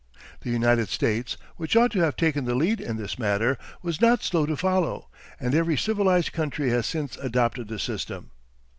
The United States, which ought to have taken the lead in this matter, was not slow to follow, and every civilized country has since adopted the system.